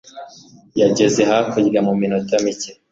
yageze hakurya muminota mike